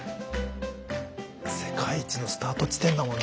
世界一のスタート地点だもんな。